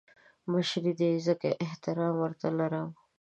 مشر دی ځکه احترام ورته لرم